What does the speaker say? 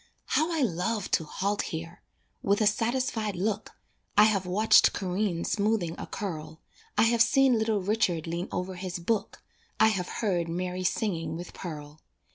How I love to halt here! With a satisfied look, I have watched Corinne smoothing a curl, I have seen little Richard lean over his book, I have heard Mary singing with Pearl.